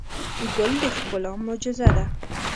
ګل د ښکلا معجزه ده.